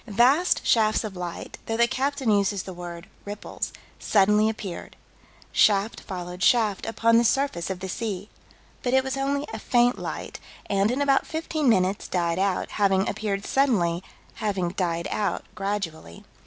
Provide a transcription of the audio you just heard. Vast shafts of light though the captain uses the word "ripples" suddenly appeared. Shaft followed shaft, upon the surface of the sea. But it was only a faint light, and, in about fifteen minutes, died out: having appeared suddenly, having died out gradually.